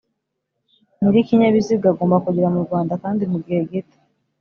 nyir'ikinyabiziga agomba kugera mu Rwanda, kandi mu gihe gito